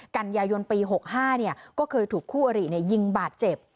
กันยายนปี๖๕ก็เคยถูกคู่อริยิงบาดเจ็บ